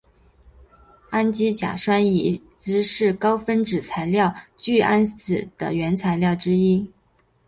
氨基甲酸乙酯是高分子材料聚氨酯的原料之一。